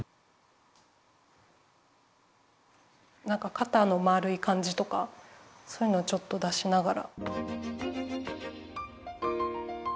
肩のまるい感じとかそういうのをちょっと出しながら。